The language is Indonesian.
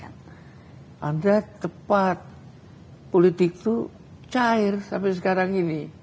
anda tepat politik itu cair sampai sekarang ini